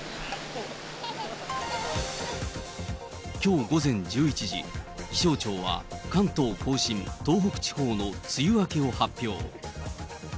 きょう午前１１時、気象庁は、関東甲信、東北地方の梅雨明けを発表。